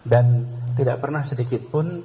dan tidak pernah sedikitpun